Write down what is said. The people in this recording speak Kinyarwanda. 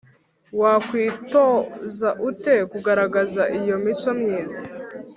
Wakwitoza ute kugaragaza iyo mico myiza